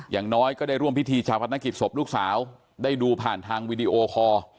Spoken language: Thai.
อย่างน้อยก็ได้ร่วมพิธีชาวพนักกิจศพลูกสาวได้ดูผ่านทางวีดีโอคอร์